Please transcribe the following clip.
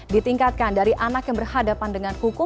ditingkatkan dari anak yang berhadapan dengan hukum